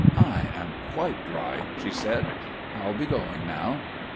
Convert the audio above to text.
"I am quite dry," she said. "I'll be going now."